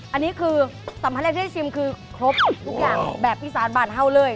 อันนี้คือสำคัญแรกที่ได้ชิมคือครบทุกอย่างแบบอีสานบานเฮ่าเลย